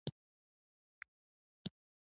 پیښې په افسانو کې نغښتې دي.